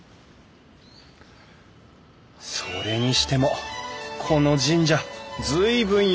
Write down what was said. それにしてもこの神社随分横に長い。